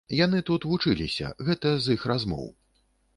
Яны тут вучыліся, гэта з іх размоў.